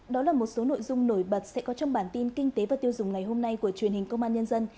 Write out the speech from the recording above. đó là một số nội dung nổi bật sẽ có trong bản tin kinh tế và tiêu dùng ngày hôm nay của truyền hình công an nhân dân